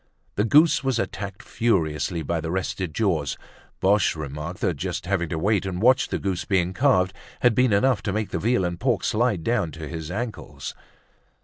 The goose was attacked furiously by the rested jaws. Boche remarked that just having to wait and watch the goose being carved had been enough to make the veal and pork slide down to his ankles.